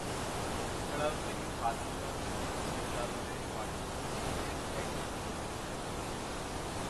এছাড়াও তিনি ফার্সি মাধ্যমিক বিদ্যালয়ের পাঠ্যপুস্তকের একজন সহ-লেখক।